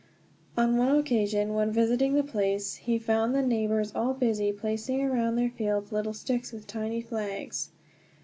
On one occasion, when visiting the place, he found the neighbors all busy placing around their fields little sticks with tiny flags.